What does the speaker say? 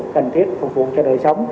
cần thiết phục vụ cho đời sống